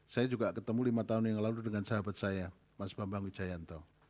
saya juga ketemu lima tahun yang lalu dengan sahabat saya mas bambang wijayanto